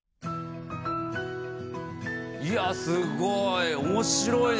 いやすっごい。